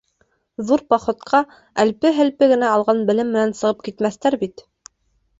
Ҙур походҡа әлпе-һәлпе генә алған белем менән сығып китмәҫтәр бит.